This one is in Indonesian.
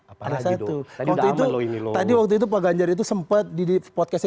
apa apa lagi tuh tadi udah amat loh ini loh tadi waktu itu pak ganjar itu sempet di podcastnya